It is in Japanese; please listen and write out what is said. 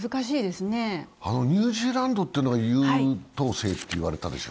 ニュージーランドというのは優等生と言われたでしょ。